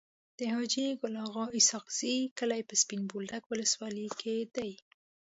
د حاجي ګل اغا اسحق زي کلی په سپين بولدک ولسوالی کي دی.